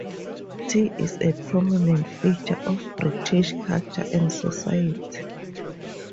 Tea is a prominent feature of British culture and society.